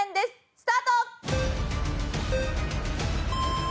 スタート！